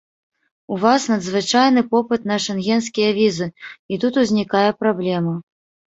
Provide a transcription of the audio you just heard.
У вас надзвычайны попыт на шэнгенскія візы, і тут узнікае праблема.